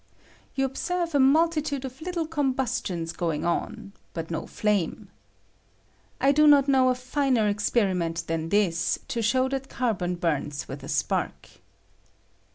You ob serve a multitude of little combustions going on, but no flame. I do not know a finer ex periment than this to show that carbon bums with a spaik.